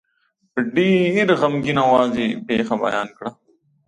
په ډېر غمګین آواز یې پېښه بیان کړه.